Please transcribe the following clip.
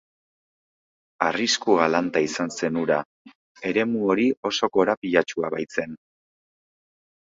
Arrisku galanta izan zen hura, eremu hori oso korapilatsua baitzen.